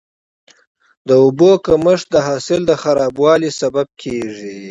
د اوبو کمښت د حاصل د خرابوالي سبب کېږي.